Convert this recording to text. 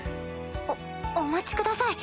おお待ちください。